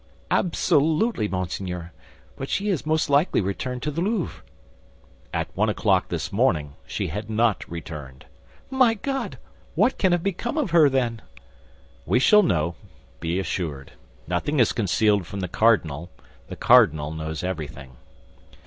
"Absolutely, monseigneur; but she has most likely returned to the Louvre." "At one o'clock this morning she had not returned." "My God! What can have become of her, then?" "We shall know, be assured. Nothing is concealed from the cardinal; the cardinal knows everything."